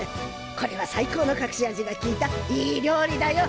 これは最高のかくし味がきいたいい料理だよ。